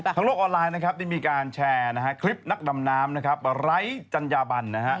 ทางโลกออนไลน์มีการแชร์คลิปนักดำน้ำไร้จัญญาบัน